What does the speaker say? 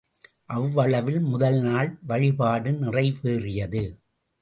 அவ்வளவில் முதல் நாள் வழிபாடு நிறைவேறியது.